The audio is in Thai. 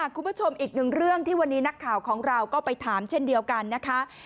คุณผู้ชมอีกหนึ่งเรื่องที่วันนี้นักข่าวของเราก็ไปถามเช่นเดียวกันนะคะ